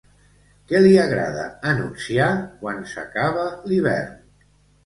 Què li agrada anunciar quan s'acaba l'hivern?